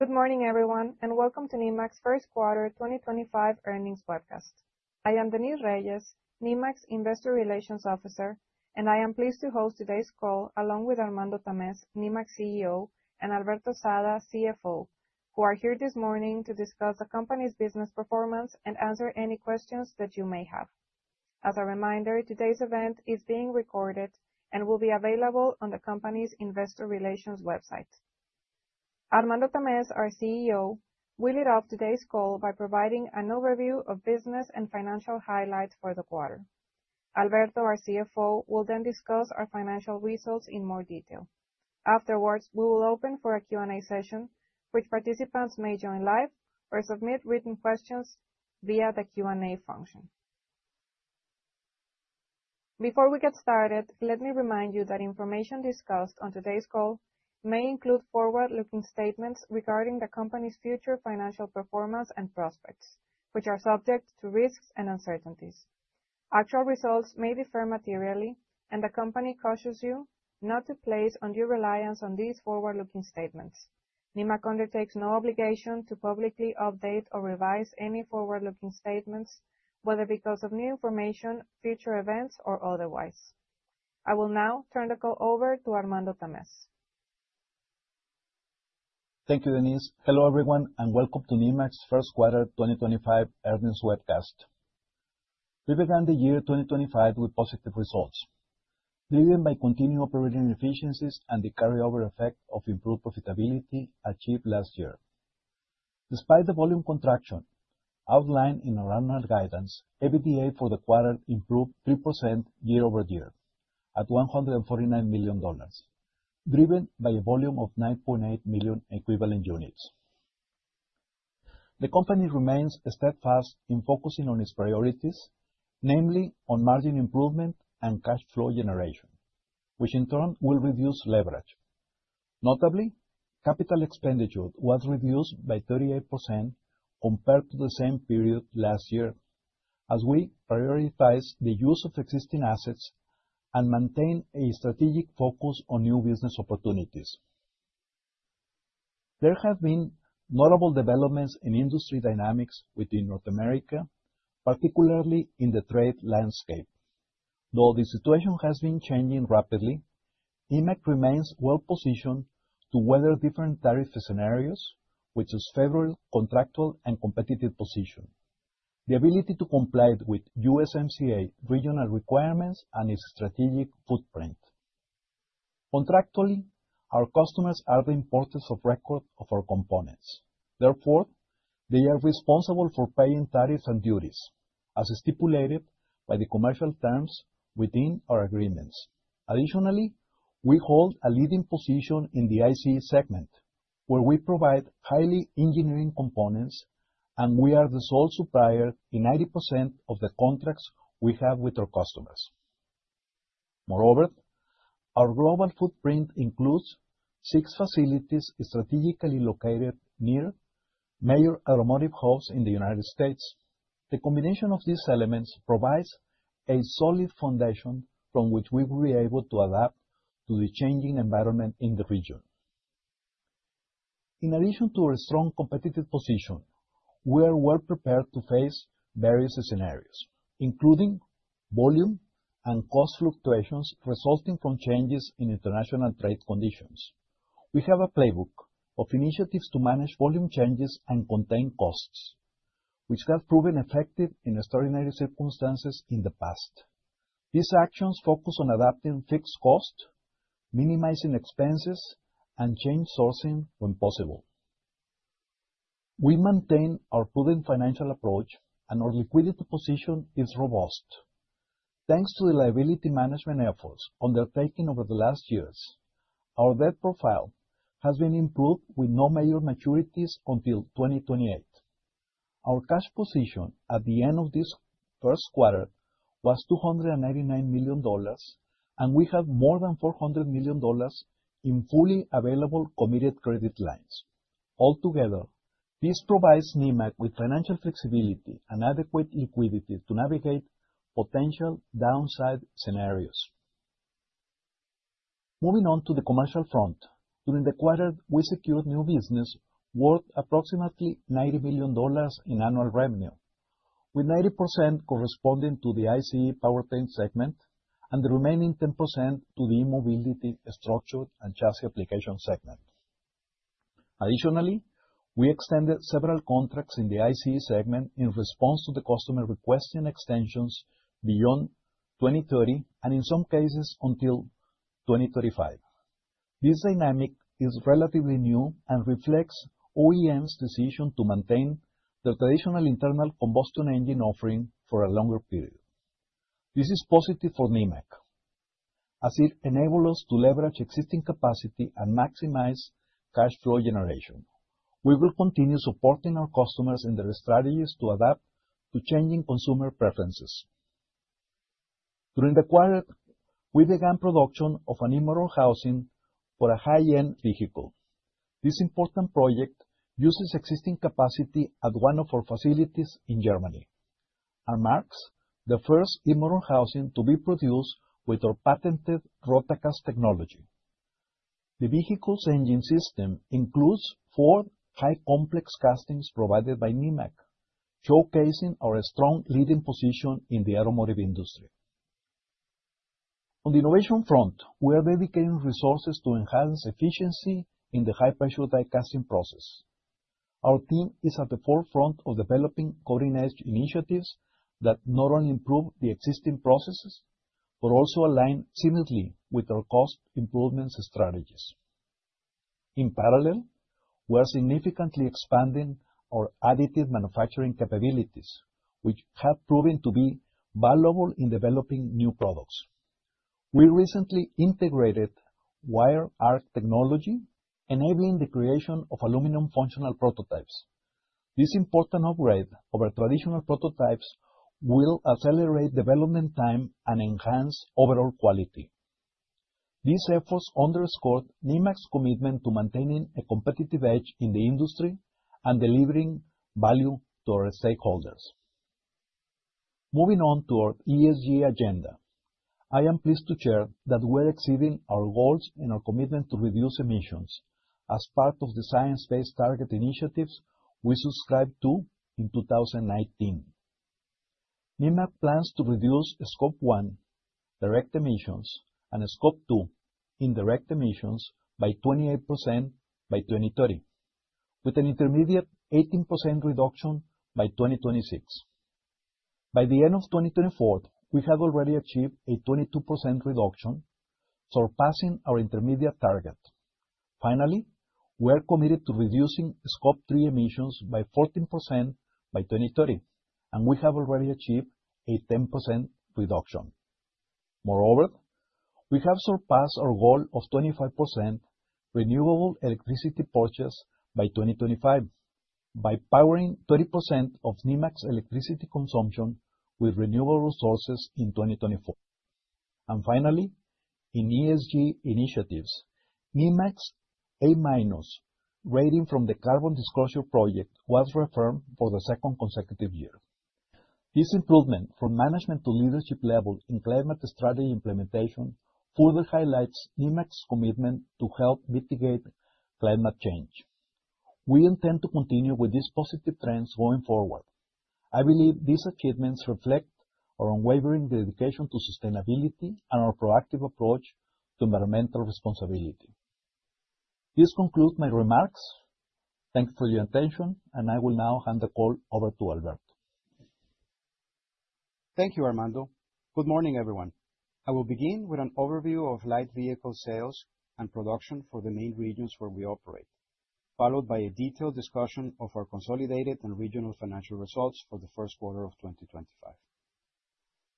Good morning, everyone, and welcome to Nemak's First Quarter 2025 earnings webcast. I am Denise Reyes, Nemak's Investor Relations Officer, and I am pleased to host today's call along with Armando Tamez, Nemak CEO, and Alberto Sada, CFO, who are here this morning to discuss the company's business performance and answer any questions that you may have. As a reminder, today's event is being recorded and will be available on the company's Investor Relations website. Armando Tamez, our CEO, will lead off today's call by providing an overview of business and financial highlights for the quarter. Alberto, our CFO, will then discuss our financial results in more detail. Afterwards, we will open for a Q&A session, which participants may join live or submit written questions via the Q&A function. Before we get started, let me remind you that information discussed on today's call may include forward-looking statements regarding the company's future financial performance and prospects, which are subject to risks and uncertainties. Actual results may differ materially, and the company cautions you not to place undue reliance on these forward-looking statements. Nemak undertakes no obligation to publicly update or revise any forward-looking statements, whether because of new information, future events, or otherwise. I will now turn the call over to Armando Tamez. Thank you, Denise. Hello, everyone, and welcome to Nemak's First Quarter 2025 earnings webcast. We began the year 2025 with positive results, driven by continued operating efficiencies and the carryover effect of improved profitability achieved last year. Despite the volume contraction outlined in our annual guidance, EBITDA for the quarter improved 3% year over year at $149 million, driven by a volume of 9.8 million equivalent units. The company remains steadfast in focusing on its priorities, namely on margin improvement and cash flow generation, which in turn will reduce leverage. Notably, capital expenditure was reduced by 38% compared to the same period last year, as we prioritized the use of existing assets and maintained a strategic focus on new business opportunities. There have been notable developments in industry dynamics within North America, particularly in the trade landscape. Though the situation has been changing rapidly, Nemak remains well-positioned to weather different tariff scenarios, which is favorable contractual and competitive position, the ability to comply with USMCA regional requirements, and its strategic footprint. Contractually, our customers are the importers of record of our components. Therefore, they are responsible for paying tariffs and duties, as stipulated by the commercial terms within our agreements. Additionally, we hold a leading position in the ICE segment, where we provide highly engineered components, and we are the sole supplier in 90% of the contracts we have with our customers. Moreover, our global footprint includes six facilities strategically located near major automotive hubs in the United States. The combination of these elements provides a solid foundation from which we will be able to adapt to the changing environment in the region. In addition to our strong competitive position, we are well-prepared to face various scenarios, including volume and cost fluctuations resulting from changes in international trade conditions. We have a playbook of initiatives to manage volume changes and contain costs, which have proven effective in extraordinary circumstances in the past. These actions focus on adapting fixed costs, minimizing expenses, and change sourcing when possible. We maintain our prudent financial approach, and our liquidity position is robust. Thanks to the liability management efforts undertaken over the last years, our debt profile has been improved with no major maturities until 2028. Our cash position at the end of this first quarter was $299 million, and we have more than $400 million in fully available committed credit lines. Altogether, this provides Nemak with financial flexibility and adequate liquidity to navigate potential downside scenarios. Moving on to the commercial front, during the quarter, we secured new business worth approximately $90 million in annual revenue, with 90% corresponding to the ICE powertrain segment and the remaining 10% to the mobility structure and chassis application segment. Additionally, we extended several contracts in the ICE segment in response to the customer requesting extensions beyond 2030 and, in some cases, until 2035. This dynamic is relatively new and reflects OEM's decision to maintain their traditional internal combustion engine offering for a longer period. This is positive for Nemak, as it enables us to leverage existing capacity and maximize cash flow generation. We will continue supporting our customers in their strategies to adapt to changing consumer preferences. During the quarter, we began production of an aluminum housing for a high-end vehicle. This important project uses existing capacity at one of our facilities in Germany, and marks the first EV motor housing to be produced with our patented Rotacast technology. The vehicle's engine system includes four high-complex castings provided by Nemak, showcasing our strong leading position in the automotive industry. On the innovation front, we are dedicating resources to enhance efficiency in the high-pressure die casting process. Our team is at the forefront of developing cutting-edge initiatives that not only improve the existing processes but also align seamlessly with our cost improvement strategies. In parallel, we are significantly expanding our additive manufacturing capabilities, which have proven to be valuable in developing new products. We recently integrated Wire Arc technology, enabling the creation of aluminum functional prototypes. This important upgrade over traditional prototypes will accelerate development time and enhance overall quality. These efforts underscored Nemak's commitment to maintaining a competitive edge in the industry and delivering value to our stakeholders. Moving on to our ESG agenda, I am pleased to share that we are exceeding our goals and our commitment to reduce emissions as part of the Science Based Targets initiative we subscribed to in 2019. Nemak plans to reduce Scope 1 direct emissions and Scope 2 indirect emissions by 28% by 2030, with an intermediate 18% reduction by 2026. By the end of 2024, we have already achieved a 22% reduction, surpassing our intermediate target. Finally, we are committed to reducing Scope 3 emissions by 14% by 2030, and we have already achieved a 10% reduction. Moreover, we have surpassed our goal of 25% renewable electricity purchase by 2025 by powering 30% of Nemak's electricity consumption with renewable resources in 2024. Finally, in ESG initiatives, Nemak's A-minus rating from the Carbon Disclosure Project was reaffirmed for the second consecutive year. This improvement from management to leadership level in climate strategy implementation further highlights Nemak's commitment to help mitigate climate change. We intend to continue with these positive trends going forward. I believe these achievements reflect our unwavering dedication to sustainability and our proactive approach to environmental responsibility. This concludes my remarks. Thanks for your attention, and I will now hand the call over to Alberto. Thank you, Armando. Good morning, everyone. I will begin with an overview of light vehicle sales and production for the main regions where we operate, followed by a detailed discussion of our consolidated and regional financial results for the first quarter of 2025.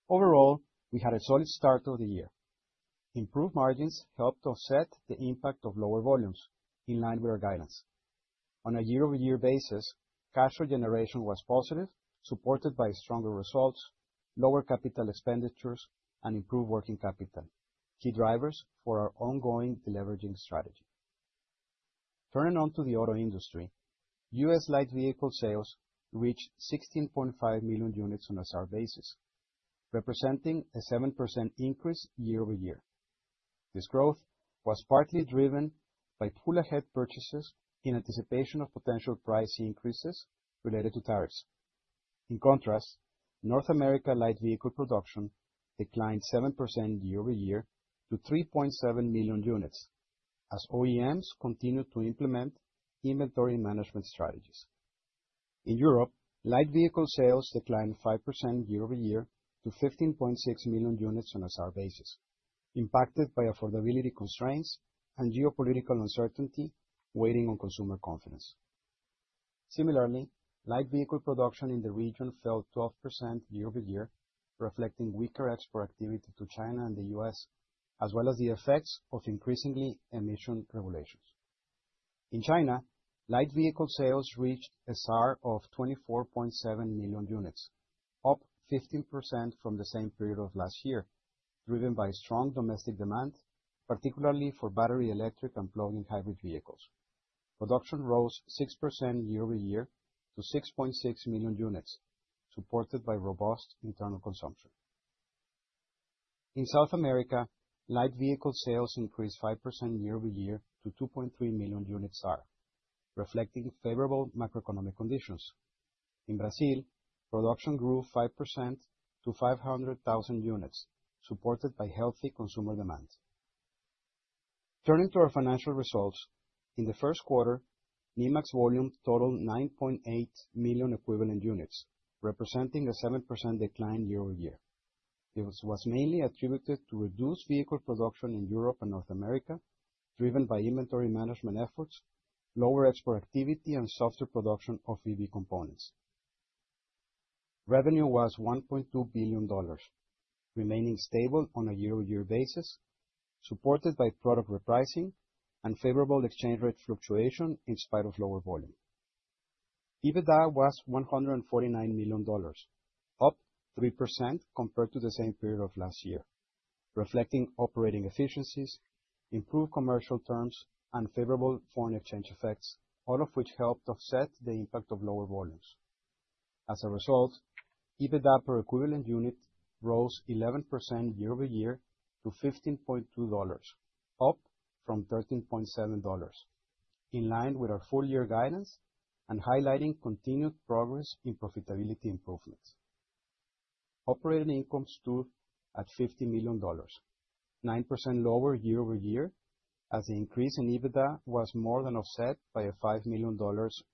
Overall, we had a solid start of the year. Improved margins helped offset the impact of lower volumes in line with our guidance. On a year-over-year basis, cash flow generation was positive, supported by stronger results, lower capital expenditures, and improved working capital, key drivers for our ongoing leveraging strategy. Turning on to the auto industry, U.S. light vehicle sales reached 16.5 million units on a SAR basis, representing a 7% increase year-over-year. This growth was partly driven by pull-ahead purchases in anticipation of potential price increases related to tariffs. In contrast, North America light vehicle production declined 7% year-over-year to 3.7 million units, as OEMs continued to implement inventory management strategies. In Europe, light vehicle sales declined 5% year-over-year to 15.6 million units on a SAR basis, impacted by affordability constraints and geopolitical uncertainty weighing on consumer confidence. Similarly, light vehicle production in the region fell 12% year-over-year, reflecting weaker export activity to China and the U.S., as well as the effects of increasing emission regulations. In China, light vehicle sales reached a SAR of 24.7 million units, up 15% from the same period of last year, driven by strong domestic demand, particularly for battery electric and plug-in hybrid vehicles. Production rose 6% year-over-year to 6.6 million units, supported by robust internal consumption. In South America, light vehicle sales increased 5% year-over-year to 2.3 million units SAR, reflecting favorable macroeconomic conditions. In Brazil, production grew 5% to 500,000 units, supported by healthy consumer demand. Turning to our financial results, in the first quarter, Nemak's volume totaled 9.8 million equivalent units, representing a 7% decline year-over-year. This was mainly attributed to reduced vehicle production in Europe and North America, driven by inventory management efforts, lower export activity, and softer production of EV components. Revenue was $1.2 billion, remaining stable on a year-over-year basis, supported by product repricing and favorable exchange rate fluctuation in spite of lower volume. EBITDA was $149 million, up 3% compared to the same period of last year, reflecting operating efficiencies, improved commercial terms, and favorable foreign exchange effects, all of which helped offset the impact of lower volumes. As a result, EBITDA per equivalent unit rose 11% year-over-year to $15.2, up from $13.7, in line with our full-year guidance and highlighting continued progress in profitability improvements. Operating income stood at $50 million, 9% lower year-over-year, as the increase in EBITDA was more than offset by a $5 million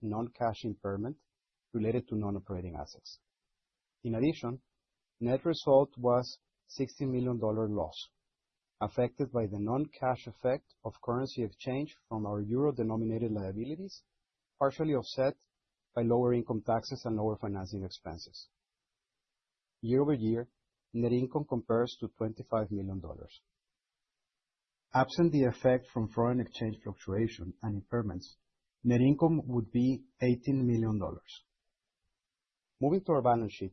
non-cash impairment related to non-operating assets. In addition, net result was $16 million loss, affected by the non-cash effect of currency exchange from our euro-denominated liabilities, partially offset by lower income taxes and lower financing expenses. Year-over-year, net income compares to $25 million. Absent the effect from foreign exchange fluctuation and impairments, net income would be $18 million. Moving to our balance sheet,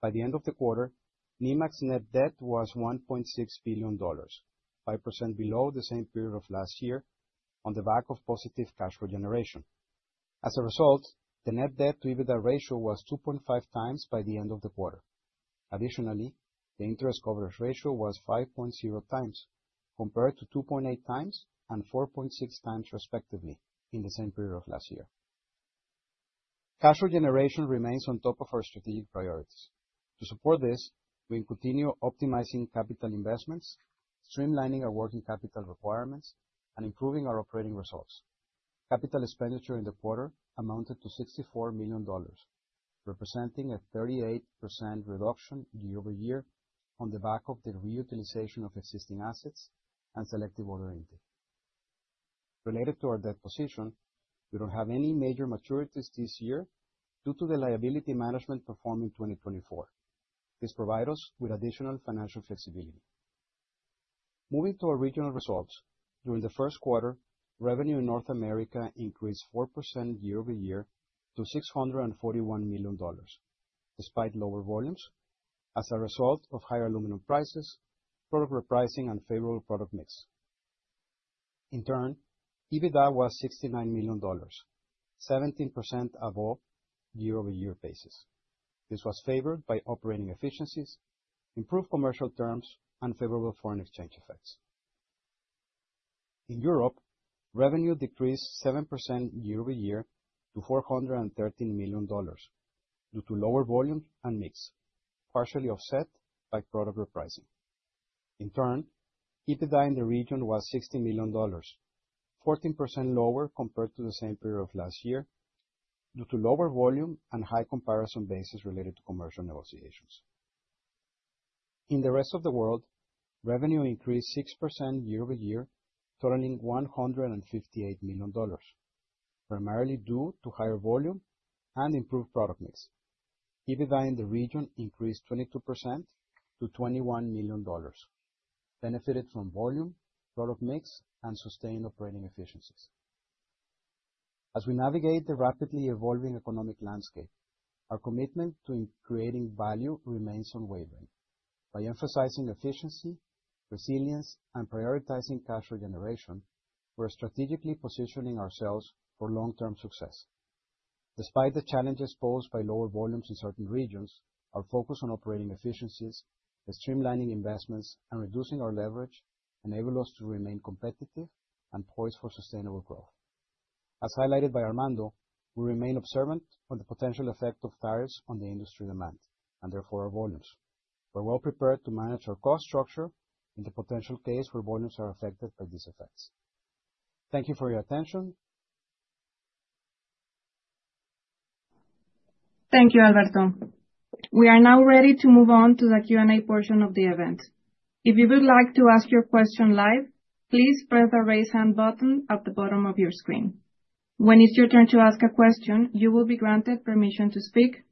by the end of the quarter, Nemak's net debt was $1.6 billion, 5% below the same period of last year on the back of positive cash flow generation. As a result, the net debt to EBITDA ratio was 2.5 times by the end of the quarter. Additionally, the interest coverage ratio was 5.0 times, compared to 2.8 times and 4.6 times, respectively, in the same period of last year. Cash flow generation remains on top of our strategic priorities. To support this, we continue optimizing capital investments, streamlining our working capital requirements, and improving our operating results. Capital expenditure in the quarter amounted to $64 million, representing a 38% reduction year-over-year on the back of the reutilization of existing assets and selective order intake. Related to our debt position, we do not have any major maturities this year due to the liability management performed in 2024. This provides us with additional financial flexibility. Moving to our regional results, during the first quarter, revenue in North America increased 4% year-over-year to $641 million, despite lower volumes, as a result of higher aluminum prices, product repricing, and favorable product mix. In turn, EBITDA was $69 million, 17% above year-over-year basis. This was favored by operating efficiencies, improved commercial terms, and favorable foreign exchange effects. In Europe, revenue decreased 7% year-over-year to $413 million due to lower volumes and mix, partially offset by product repricing. In turn, EBITDA in the region was $60 million, 14% lower compared to the same period of last year due to lower volume and high comparison basis related to commercial negotiations. In the rest of the world, revenue increased 6% year-over-year, totaling $158 million, primarily due to higher volume and improved product mix. EBITDA in the region increased 22% to $21 million, benefited from volume, product mix, and sustained operating efficiencies. As we navigate the rapidly evolving economic landscape, our commitment to creating value remains unwavering. By emphasizing efficiency, resilience, and prioritizing cash flow generation, we are strategically positioning ourselves for long-term success. Despite the challenges posed by lower volumes in certain regions, our focus on operating efficiencies, streamlining investments, and reducing our leverage enables us to remain competitive and poised for sustainable growth. As highlighted by Armando, we remain observant on the potential effect of tariffs on the industry demand and therefore our volumes. We're well prepared to manage our cost structure in the potential case where volumes are affected by these effects. Thank you for your attention. Thank you, Alberto. We are now ready to move on to the Q&A portion of the event. If you would like to ask your question live, please press the raise hand button at the bottom of your screen. When it's your turn to ask a question, you will be granted permission to speak.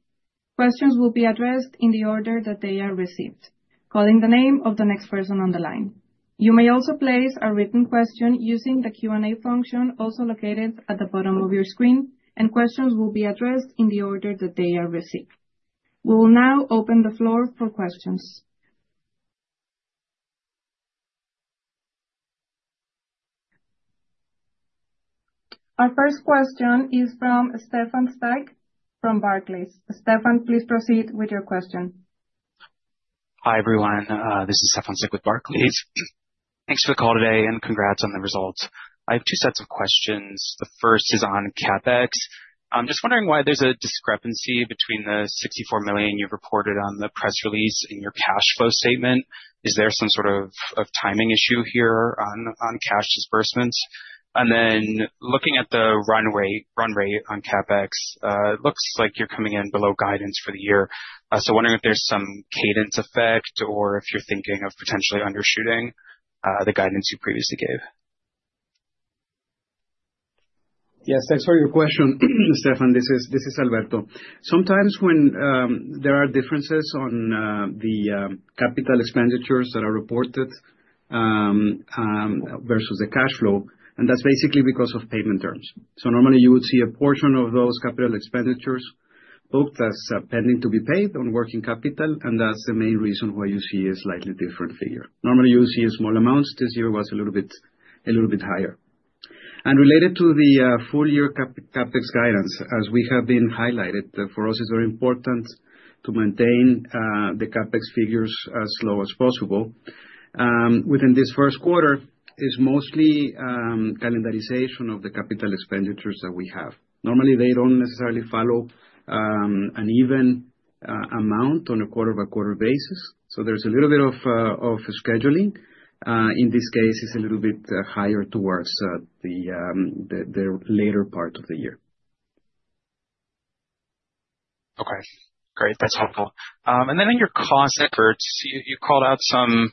Questions will be addressed in the order that they are received, calling the name of the next person on the line. You may also place a written question using the Q&A function also located at the bottom of your screen, and questions will be addressed in the order that they are received. We will now open the floor for questions. Our first question is from Stefan Styk from Barclays. Stefan, please proceed with your question. Hi, everyone. This is Stefan Styk with Barclays. Thanks for the call today, and congrats on the results. I have two sets of questions. The first is on CapEx. I'm just wondering why there's a discrepancy between the $64 million you reported on the press release and your cash flow statement. Is there some sort of timing issue here on cash disbursements? Looking at the run rate on CapEx, it looks like you're coming in below guidance for the year. Wondering if there's some cadence effect or if you're thinking of potentially undershooting the guidance you previously gave. Yes, thanks for your question, Stefan. This is Alberto. Sometimes when there are differences on the capital expenditures that are reported versus the cash flow, and that's basically because of payment terms. Normally you would see a portion of those capital expenditures booked as pending to be paid on working capital, and that's the main reason why you see a slightly different figure. Normally you would see a small amount. This year was a little bit higher. Related to the full-year CapEx guidance, as we have been highlighting, for us it's very important to maintain the CapEx figures as low as possible. Within this first quarter, it's mostly calendarization of the capital expenditures that we have. Normally they don't necessarily follow an even amount on a quarter-by-quarter basis. There's a little bit of scheduling. In this case, it's a little bit higher towards the later part of the year. Okay, great. That's helpful. In your cost efforts, you called out some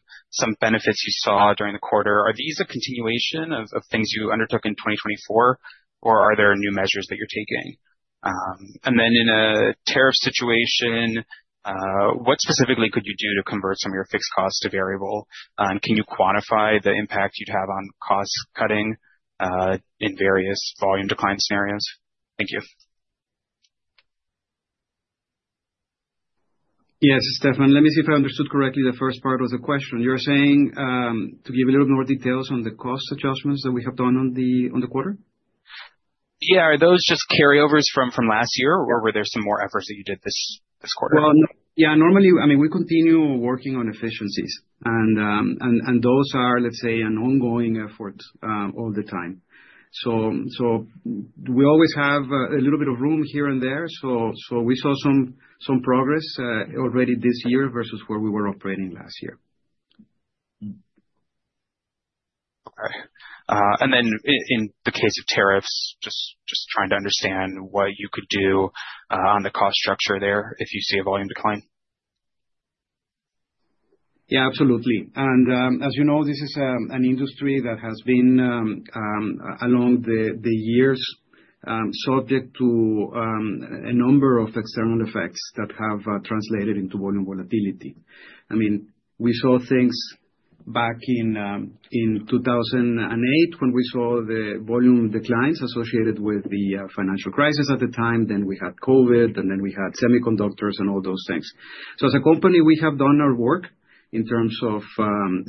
benefits you saw during the quarter. Are these a continuation of things you undertook in 2024, or are there new measures that you're taking? In a tariff situation, what specifically could you do to convert some of your fixed costs to variable? Can you quantify the impact you'd have on cost cutting in various volume decline scenarios? Thank you. Yes, Stefan, let me see if I understood correctly the first part of the question. You're saying to give a little more details on the cost adjustments that we have done on the quarter? Yeah, are those just carryovers from last year, or were there some more efforts that you did this quarter? Yeah, normally, I mean, we continue working on efficiencies, and those are, let's say, an ongoing effort all the time. So we always have a little bit of room here and there. So we saw some progress already this year versus where we were operating last year. Okay. In the case of tariffs, just trying to understand what you could do on the cost structure there if you see a volume decline? Yeah, absolutely. As you know, this is an industry that has been, along the years, subject to a number of external effects that have translated into volume volatility. I mean, we saw things back in 2008 when we saw the volume declines associated with the financial crisis at the time. We had COVID, and we had semiconductors and all those things. As a company, we have done our work in terms of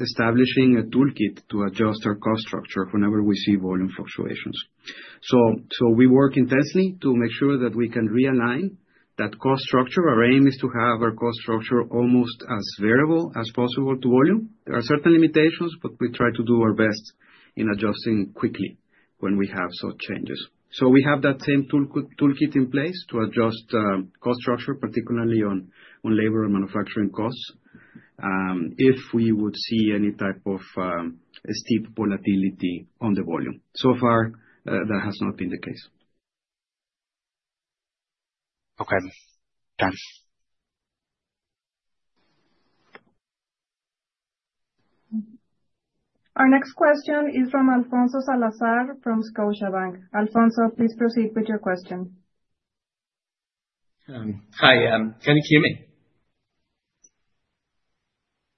establishing a toolkit to adjust our cost structure whenever we see volume fluctuations. We work intensely to make sure that we can realign that cost structure. Our aim is to have our cost structure almost as variable as possible to volume. There are certain limitations, but we try to do our best in adjusting quickly when we have such changes. We have that same toolkit in place to adjust cost structure, particularly on labor and manufacturing costs, if we would see any type of steep volatility on the volume. So far, that has not been the case. Okay, thanks. Our next question is from Alfonso Salazar from Scotiabank. Alfonso, please proceed with your question. Hi, can you hear me?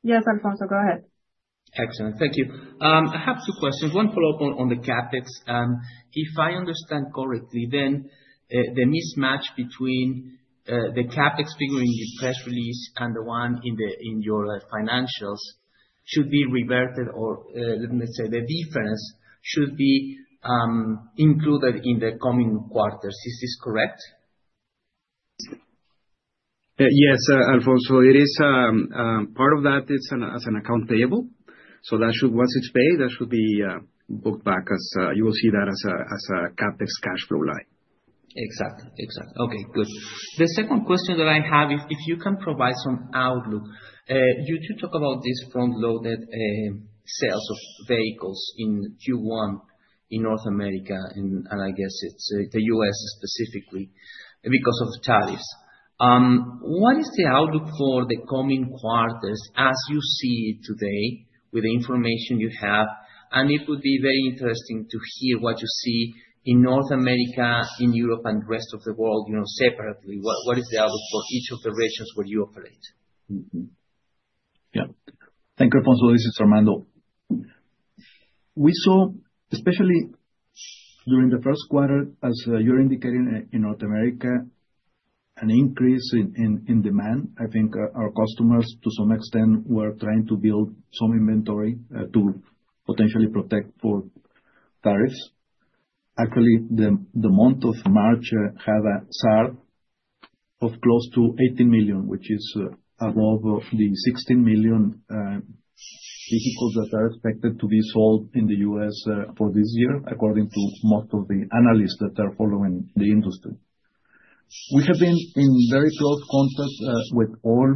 Yes, Alfonso, go ahead. Excellent. Thank you. I have two questions. One follow-up on the CapEx. If I understand correctly, then the mismatch between the CapEx figure in your press release and the one in your financials should be reverted, or let me say the difference should be included in the coming quarters. Is this correct? Yes, Alfonso, it is part of that. It's as an account table. That should, once it's paid, that should be booked back as you will see that as a CapEx cash flow line. Exactly, exactly. Okay, good. The second question that I have, if you can provide some outlook, you do talk about these front-loaded sales of vehicles in Q1 in North America, and I guess it's the U.S. specifically because of tariffs. What is the outlook for the coming quarters as you see it today with the information you have? It would be very interesting to hear what you see in North America, in Europe, and the rest of the world separately. What is the outlook for each of the regions where you operate? Yeah, thank you, Alfonso. This is Armando. We saw, especially during the first quarter, as you're indicating in North America, an increase in demand. I think our customers, to some extent, were trying to build some inventory to potentially protect for tariffs. Actually, the month of March had a SAR of close to 18 million, which is above the 16 million vehicles that are expected to be sold in the U.S. for this year, according to most of the analysts that are following the industry. We have been in very close contact with all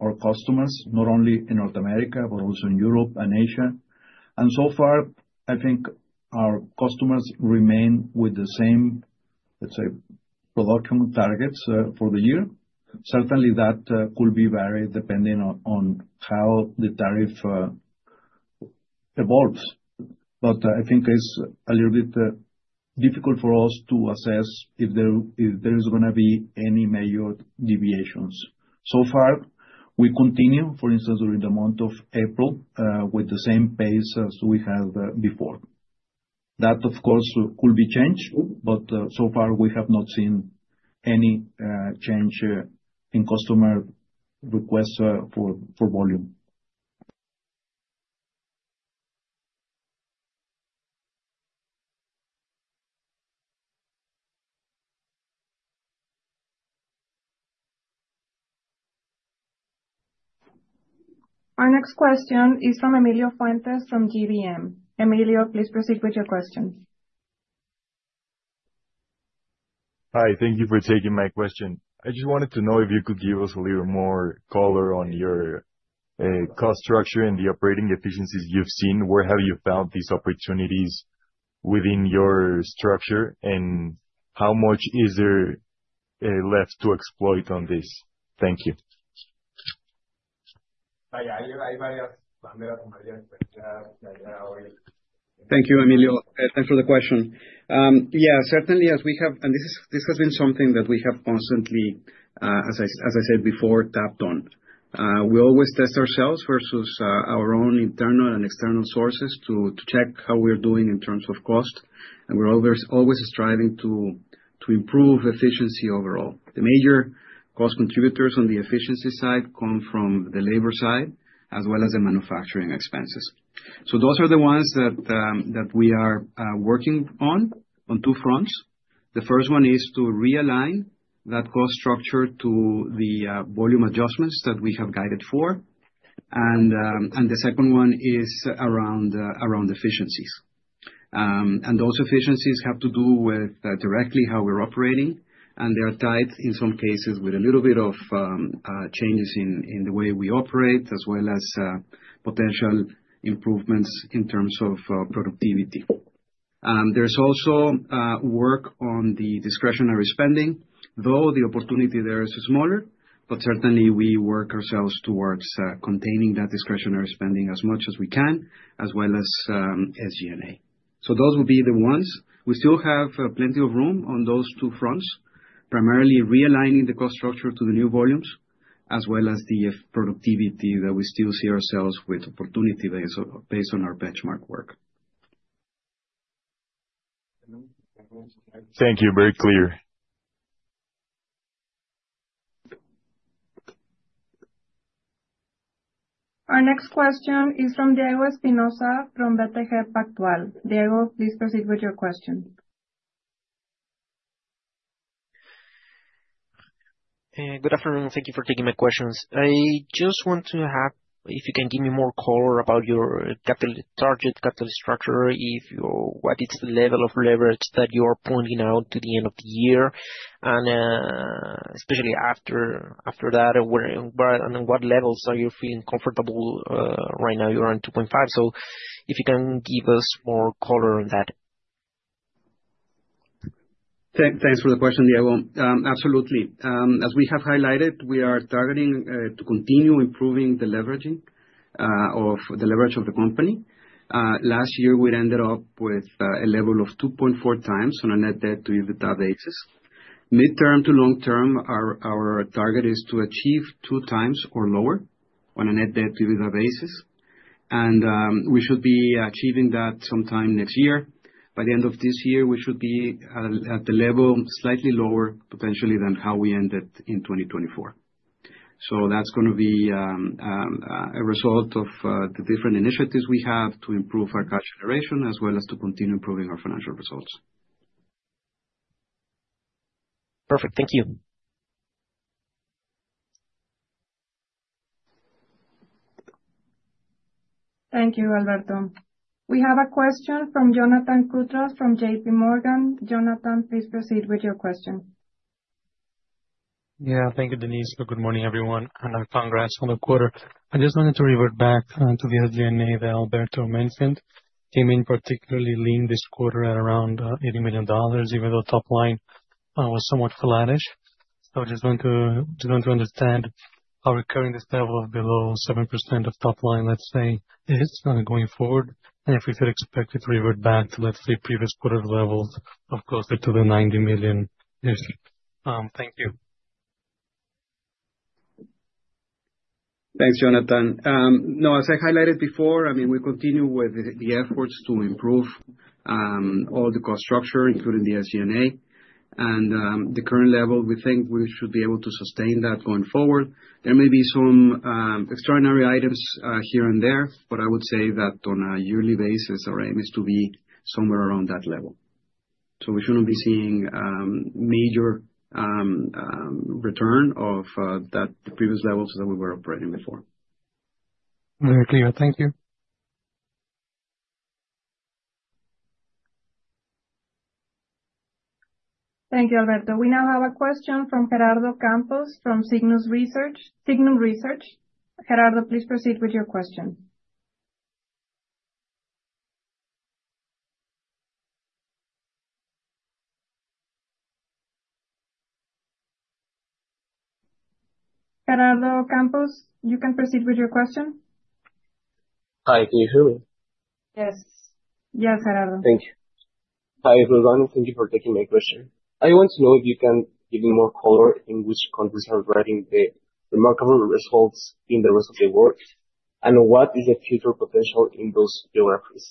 our customers, not only in North America, but also in Europe and Asia. So far, I think our customers remain with the same, let's say, production targets for the year. Certainly, that could be varied depending on how the tariff evolves. I think it's a little bit difficult for us to assess if there is going to be any major deviations. So far, we continue, for instance, during the month of April with the same pace as we had before. That, of course, could be changed, but so far, we have not seen any change in customer requests for volume. Our next question is from Emilio Fuentes from GBM. Emilio, please proceed with your question. Hi, thank you for taking my question. I just wanted to know if you could give us a little more color on your cost structure and the operating efficiencies you've seen. Where have you found these opportunities within your structure, and how much is there left to exploit on this? Thank you. Thank you, Emilio. Thanks for the question. Yeah, certainly, as we have, and this has been something that we have constantly, as I said before, tapped on. We always test ourselves versus our own internal and external sources to check how we're doing in terms of cost. We're always striving to improve efficiency overall. The major cost contributors on the efficiency side come from the labor side, as well as the manufacturing expenses. Those are the ones that we are working on, on two fronts. The first one is to realign that cost structure to the volume adjustments that we have guided for. The second one is around efficiencies. Those efficiencies have to do with directly how we're operating, and they are tied in some cases with a little bit of changes in the way we operate, as well as potential improvements in terms of productivity. is also work on the discretionary spending, though the opportunity there is smaller. Certainly, we work ourselves towards containing that discretionary spending as much as we can, as well as SG&A. Those would be the ones. We still have plenty of room on those two fronts, primarily re-aligning the cost structure to the new volumes, as well as the productivity that we still see ourselves with opportunity based on our benchmark work. Thank you. Very clear. Our next question is from Diego Espinoza from BTG Pactual. Diego, please proceed with your question. Good afternoon. Thank you for taking my questions. I just want to have, if you can give me more color about your target capital structure, what is the level of leverage that you are pointing out to the end of the year, and especially after that, and what levels are you feeling comfortable right now? You are on 2.5. If you can give us more color on that. Thanks for the question, Diego. Absolutely. As we have highlighted, we are targeting to continue improving the leverage of the company. Last year, we ended up with a level of 2.4 times on a net debt-to-EBITDA basis. Mid-term to long-term, our target is to achieve two times or lower on a net debt-to-EBITDA basis. We should be achieving that sometime next year. By the end of this year, we should be at the level slightly lower potentially than how we ended in 2024. That is going to be a result of the different initiatives we have to improve our cash generation, as well as to continue improving our financial results. Perfect. Thank you. Thank you, Alberto. We have a question from Jonathan Koutras from JPMorgan. Jonathan, please proceed with your question. Yeah, thank you, Denise. Good morning, everyone. Congrats on the quarter. I just wanted to revert back to the SG&A that Alberto mentioned. Came in particularly lean this quarter at around $80 million, even though top line was somewhat flattish. I just want to understand how recurring this level of below 7% of top line, let's say, is going forward. And if we should expect it to revert back to, let's say, previous quarter levels of closer to the $90 million, if. Thank you. Thanks, Jonathan. No, as I highlighted before, I mean, we continue with the efforts to improve all the cost structure, including the SG&A. At the current level, we think we should be able to sustain that going forward. There may be some extraordinary items here and there, but I would say that on a yearly basis, our aim is to be somewhere around that level. We should not be seeing major return of the previous levels that we were operating before. Very clear. Thank you. Thank you, Alberto. We now have a question from Gerardo Campos from Signum Research. Gerardo, please proceed with your question. Gerardo Campos, you can proceed with your question. Hi, can you hear me? Yes. Yes, Gerardo. Thank you. Hi, everyone. Thank you for taking my question. I want to know if you can give me more color in which countries are driving the remarkable results in the rest of the world, and what is the future potential in those geographies?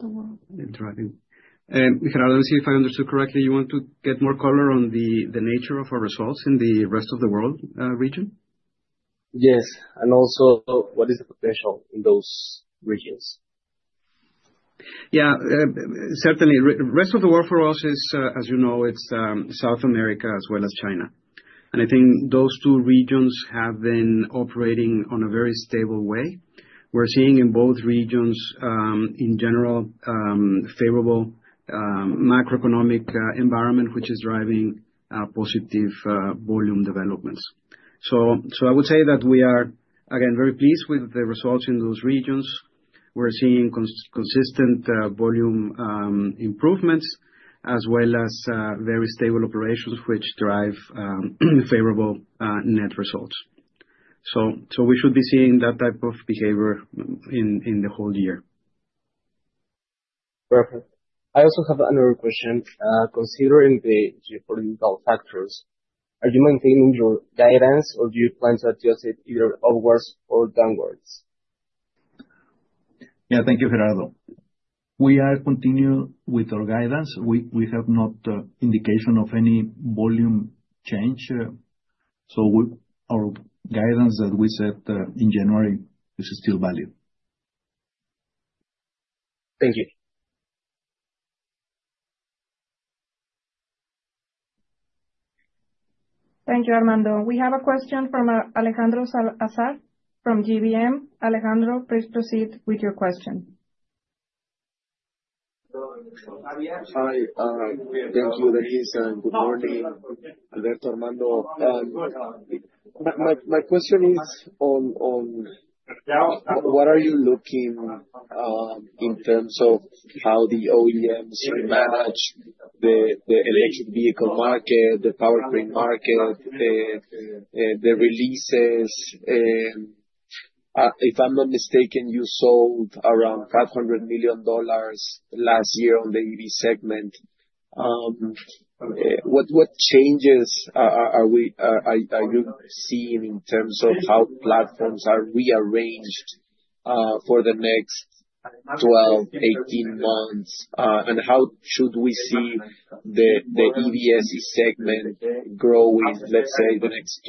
Gerardo, let me see if I understood correctly. You want to get more color on the nature of our results in the rest of the world region? Yes. Also, what is the potential in those regions? Yeah, certainly. The rest of the world for us is, as you know, it's South America as well as China. I think those two regions have been operating in a very stable way. We're seeing in both regions, in general, favorable macroeconomic environment, which is driving positive volume developments. I would say that we are, again, very pleased with the results in those regions. We're seeing consistent volume improvements, as well as very stable operations, which drive favorable net results. We should be seeing that type of behavior in the whole year. Perfect. I also have another question. Considering the geopolitical factors, are you maintaining your guidance, or do you plan to adjust it either upwards or downwards? Yeah, thank you, Gerardo. We are continuing with our guidance. We have no indication of any volume change. Our guidance that we set in January is still valid. Thank you. Thank you, Armando. We have a question from Alejandro Azar from GBM. Alejandro, please proceed with your question. Hi, thank you, Denise. And good morning, Alberto, Armando. My question is, what are you looking in terms of how the OEMs manage the electric vehicle market, the power grid market, the releases? If I'm not mistaken, you sold around $500 million last year on the EV segment. What changes are you seeing in terms of how platforms are rearranged for the next 12-18 months? And how should we see the EVs segment grow in, let's say, the next 12-24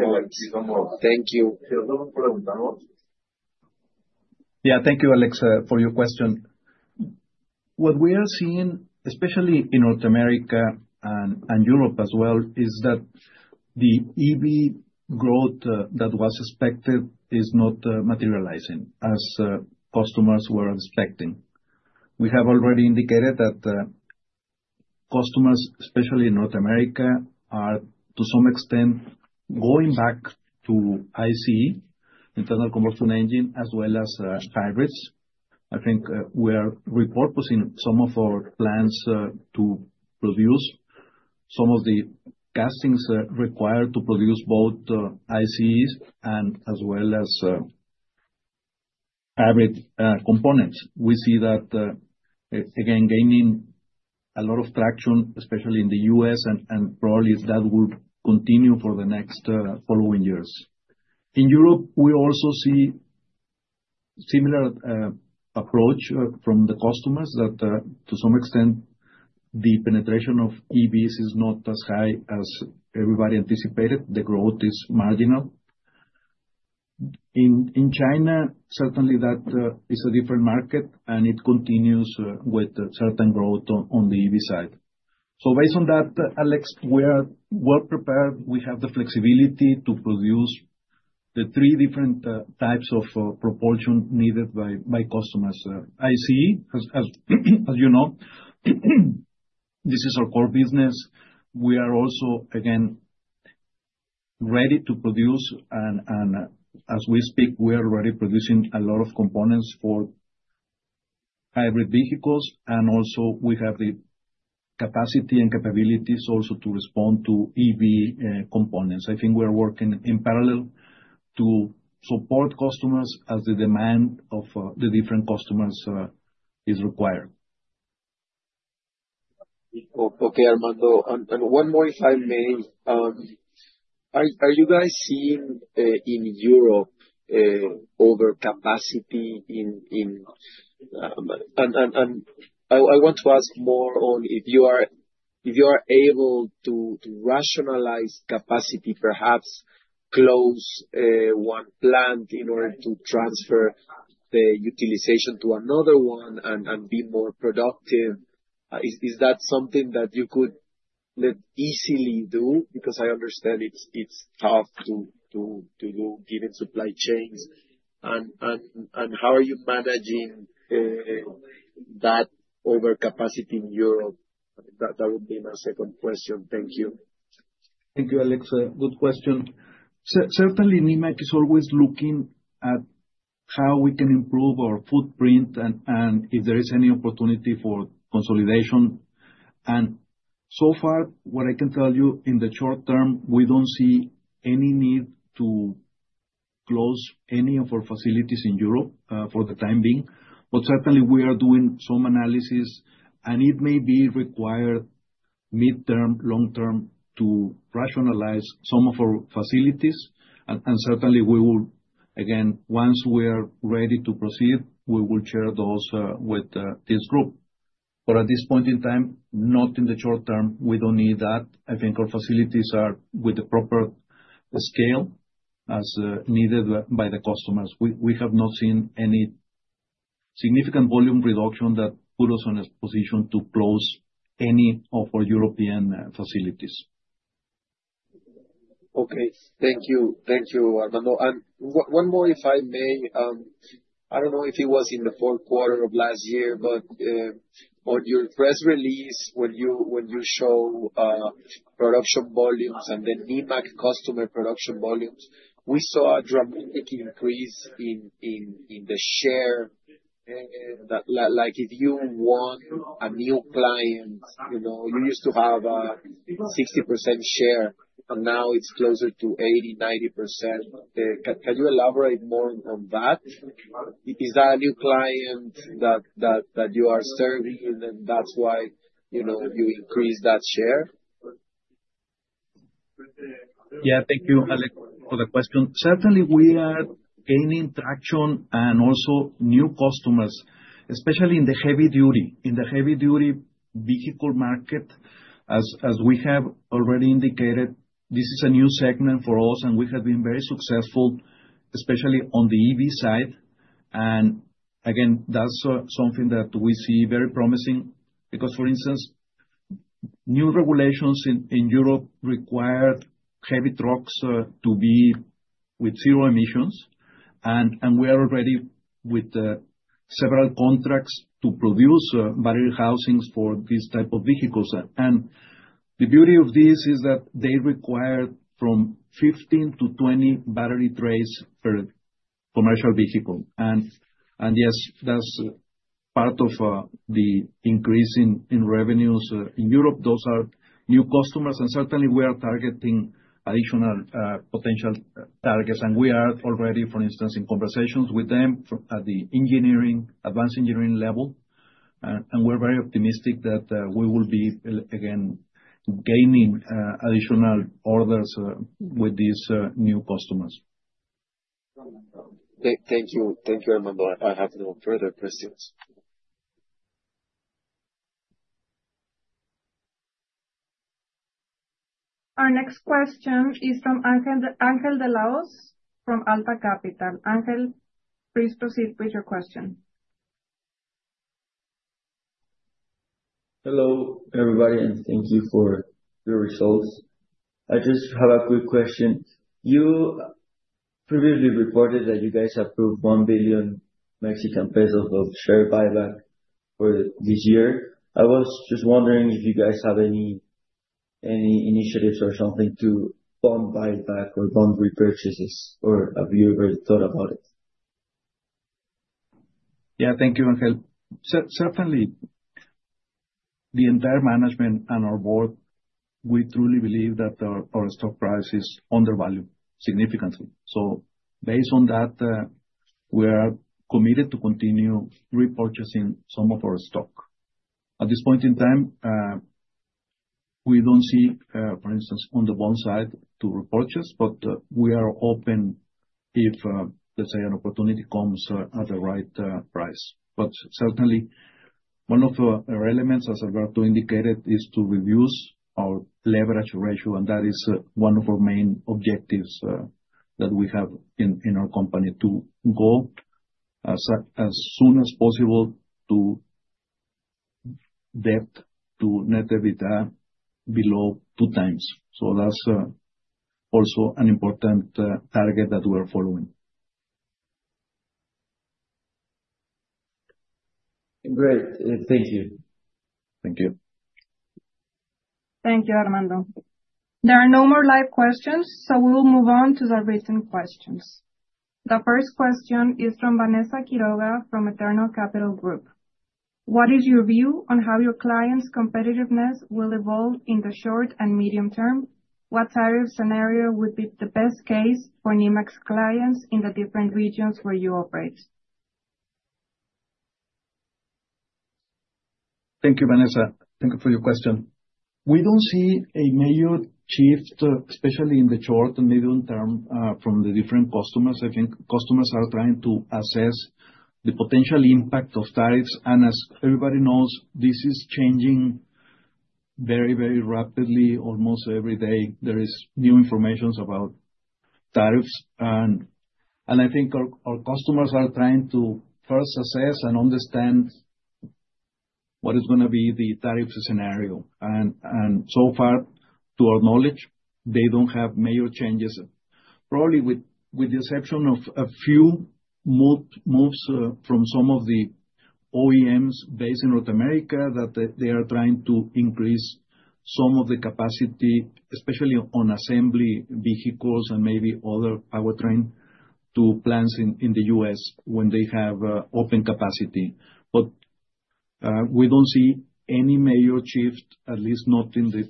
months? Thank you. Yeah, thank you, Alex, for your question. What we are seeing, especially in North America and Europe as well, is that the EV growth that was expected is not materializing as customers were expecting. We have already indicated that customers, especially in North America, are to some extent going back to ICE, internal combustion engine, as well as hybrids. I think we are repurposing some of our plans to produce some of the castings required to produce both ICEs and as well as hybrid components. We see that, again, gaining a lot of traction, especially in the U.S. and probably that will continue for the next following years. In Europe, we also see a similar approach from the customers that to some extent, the penetration of EVs is not as high as everybody anticipated. The growth is marginal. In China, certainly that is a different market, and it continues with certain growth on the EV side. Based on that, Alex, we are well prepared. We have the flexibility to produce the three different types of proportion needed by customers. ICE, as you know, this is our core business. We are also, again, ready to produce. As we speak, we are already producing a lot of components for Hybrid Vehicles. Also, we have the capacity and capabilities to respond to EV components. I think we are working in parallel to support customers as the demand of the different customers is required. Okay, Armando. One more if I may. Are you guys seeing in Europe overcapacity in? I want to ask more on if you are able to rationalize capacity, perhaps close one plant in order to transfer the utilization to another one and be more productive. Is that something that you could easily do? I understand it's tough to do given supply chains. How are you managing that overcapacity in Europe? That would be my second question. Thank you. Thank you, Alex. Good question. Certainly, Nemak is always looking at how we can improve our footprint and if there is any opportunity for consolidation. So far, what I can tell you in the short term, we do not see any need to close any of our facilities in Europe for the time being. Certainly, we are doing some analysis, and it may be required mid-term, long-term to rationalize some of our facilities. Certainly, once we are ready to proceed, we will share those with this group. At this point in time, not in the short term, we do not need that. I think our facilities are with the proper scale as needed by the customers. We have not seen any significant volume reduction that put us in a position to close any of our European facilities. Okay. Thank you. Thank you, Armando. One more, if I may. I do not know if it was in the fourth quarter of last year, but on your press release when you showed production volumes and then Nemak customer production volumes, we saw a dramatic increase in the share. If you want a new client, you used to have a 60% share, and now it is closer to 80-90%. Can you elaborate more on that? Is that a new client that you are serving, and that is why you increased that share? Yeah, thank you, Alex, for the question. Certainly, we are gaining traction and also new customers, especially in the heavy-duty vehicle market. As we have already indicated, this is a new segment for us, and we have been very successful, especially on the EV side. Again, that's something that we see very promising because, for instance, new regulations in Europe required heavy trucks to be with zero emissions. We are already with several contracts to produce battery housings for this type of vehicles. The beauty of this is that they required from 15-20 battery trays per commercial vehicle. Yes, that's part of the increase in revenues in Europe. Those are new customers. Certainly, we are targeting additional potential targets. We are already, for instance, in conversations with them at the engineering, advanced engineering level. We are very optimistic that we will be, again, gaining additional orders with these new customers. Thank you. Thank you, Armando. I have no further questions. Our next question is from Ángel de la Hoz from Alta Capital. Ángel, please proceed with your question. Hello, everybody, and thank you for the results. I just have a quick question. You previously reported that you guys approved 1 billion Mexican pesos of share buyback for this year. I was just wondering if you guys have any initiatives or something to fund buyback or fund repurchases, or have you ever thought about it? Yeah, thank you, Ángel. Certainly, the entire management and our board, we truly believe that our stock price is undervalued significantly. Based on that, we are committed to continue repurchasing some of our stock. At this point in time, we do not see, for instance, on the bond side to repurchase, but we are open if, let's say, an opportunity comes at the right price. Certainly, one of our elements, as Alberto indicated, is to reduce our leverage ratio, and that is one of our main objectives that we have in our company to go as soon as possible to debt to net EBITDA below two times. That is also an important target that we are following. Great. Thank you. Thank you. Thank you, Armando. There are no more live questions, so we will move on to the written questions. The first question is from Vanessa Quiroga from Eternal Capital Group. What is your view on how your client's competitiveness will evolve in the short and medium term? What tariff scenario would be the best case for Nemak's clients in the different regions where you operate? Thank you, Vanessa. Thank you for your question. We do not see a major shift, especially in the short and medium term, from the different customers. I think customers are trying to assess the potential impact of tariffs. As everybody knows, this is changing very, very rapidly. Almost every day, there is new information about tariffs. I think our customers are trying to first assess and understand what is going to be the tariff scenario. So far, to our knowledge, they do not have major changes. Probably with the exception of a few moves from some of the OEMs based in North America that are trying to increase some of the capacity, especially on assembly vehicles and maybe other powertrain plants in the United States when they have open capacity. We do not see any major shift, at least not in the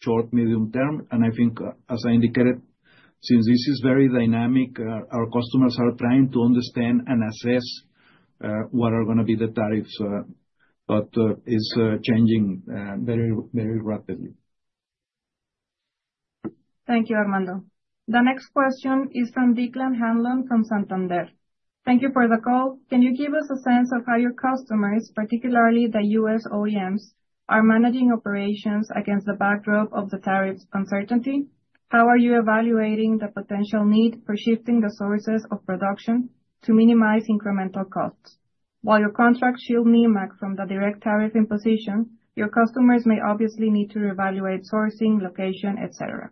short, medium term. I think, as I indicated, since this is very dynamic, our customers are trying to understand and assess what are going to be the tariffs. It is changing very, very rapidly. Thank you, Armando. The next question is from Declan Hanlon from Santander. Thank you for the call. Can you give us a sense of how your customers, particularly the U.S. OEMs, are managing operations against the backdrop of the tariffs uncertainty? How are you evaluating the potential need for shifting the sources of production to minimize incremental costs? While your contract shields Nemak from the direct tariff imposition, your customers may obviously need to reevaluate sourcing, location, etc.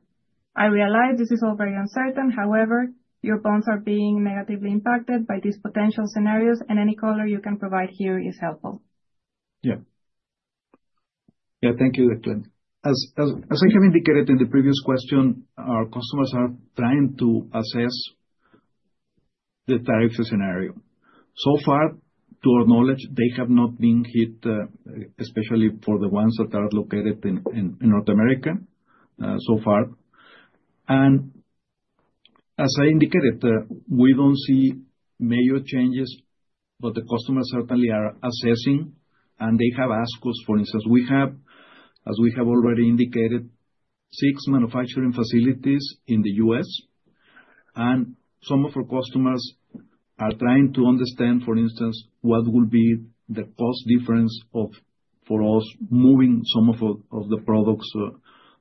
I realize this is all very uncertain. However, your bonds are being negatively impacted by these potential scenarios, and any color you can provide here is helpful. Yeah. Yeah, thank you, Declan. As I have indicated in the previous question, our customers are trying to assess the tariff scenario. So far, to our knowledge, they have not been hit, especially for the ones that are located in North America so far. As I indicated, we do not see major changes, but the customers certainly are assessing, and they have asked us, for instance, we have, as we have already indicated, six manufacturing facilities in the U.S. Some of our customers are trying to understand, for instance, what will be the cost difference for us moving some of the products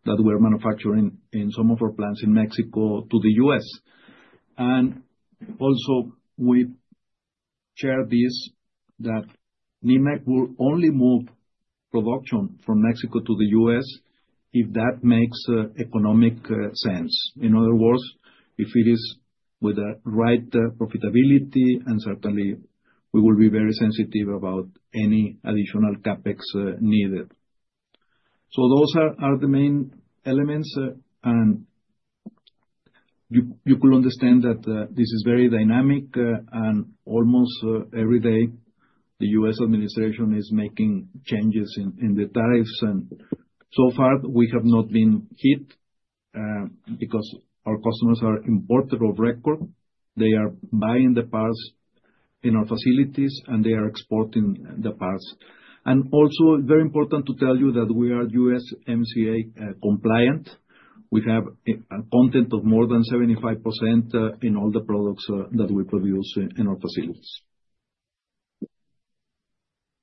that we are manufacturing in some of our plants in Mexico to the U.S. Also, we share this, that Nemak will only move production from Mexico to the U.S. if that makes economic sense. In other words, if it is with the right profitability, and certainly, we will be very sensitive about any additional CapEx needed. Those are the main elements. You could understand that this is very dynamic. Almost every day, the U.S. administration is making changes in the tariffs. So far, we have not been hit because our customers are importers of record. They are buying the parts in our facilities, and they are exporting the parts. Also, very important to tell you that we are USMCA compliant. We have a content of more than 75% in all the products that we produce in our facilities.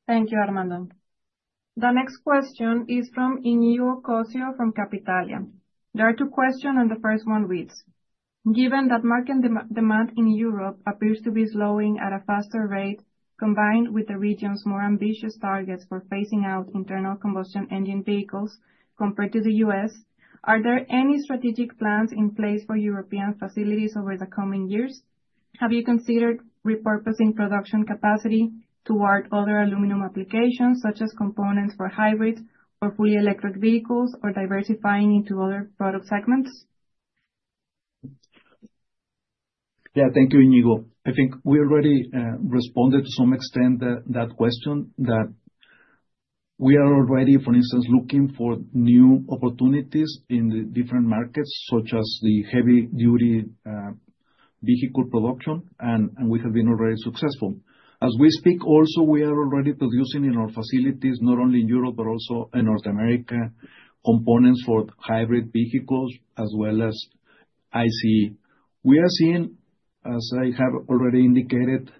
Thank you, Armando. The next question is from Iñigo Cossio from Kapitalia. There are two questions, and the first one reads, "Given that market demand in Europe appears to be slowing at a faster rate, combined with the region's more ambitious targets for phasing out internal combustion engine vehicles compared to the U.S. are there any strategic plans in place for European facilities over the coming years? Have you considered repurposing production capacity toward other aluminum applications, such as components for hybrids or fully electric vehicles, or diversifying into other product segments? Yeah, thank you, Iñigo. I think we already responded to some extent to that question that we are already, for instance, looking for new opportunities in the different markets, such as the heavy-duty vehicle production, and we have been already successful. As we speak, also, we are already producing in our facilities, not only in Europe, but also in North America, components for Hybrid Vehicles as well as IC. We are seeing, as I have already indicated,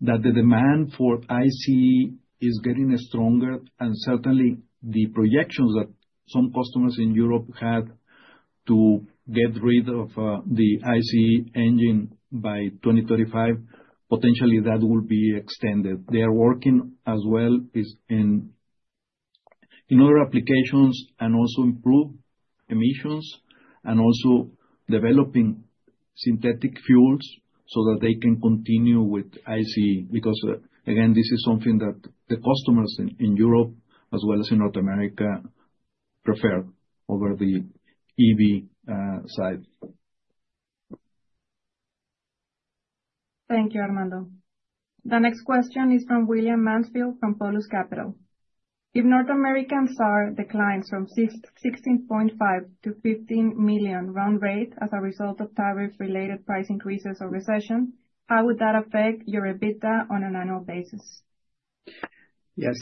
that the demand for ICE is getting stronger. Certainly, the projections that some customers in Europe had to get rid of the ICE engine by 2035, potentially that will be extended. They are working as well in other applications and also improve emissions and also developing synthetic fuels so that they can continue with ICE because, again, this is something that the customers in Europe, as well as in North America, prefer over the EV side. Thank you, Armando. The next question is from William Mansfield from Polus Capital. If North Americans are the clients from 16.5 to 15 million round rate as a result of tariff-related price increases or recession, how would that affect your EBITDA on an annual basis? Yes.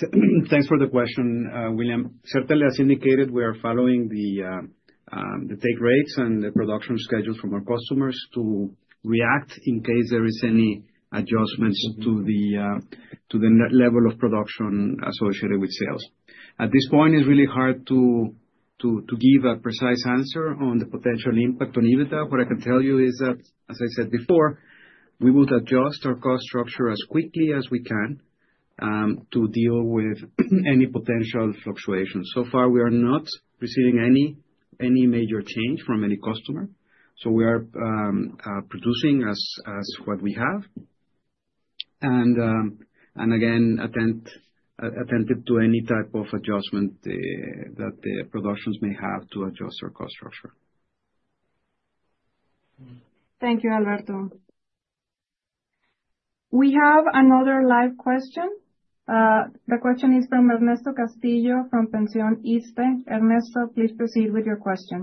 Thanks for the question, William. Certainly, as indicated, we are following the take rates and the production schedules from our customers to react in case there are any adjustments to the level of production associated with sales. At this point, it's really hard to give a precise answer on the potential impact on EBITDA. What I can tell you is that, as I said before, we would adjust our cost structure as quickly as we can to deal with any potential fluctuations. So far, we are not receiving any major change from any customer. We are producing as what we have. Again, attentive to any type of adjustment that the productions may have to adjust our cost structure. Thank you, Alberto. We have another live question. The question is from Ernesto Castillo from Pensionissste. Ernesto, please proceed with your question.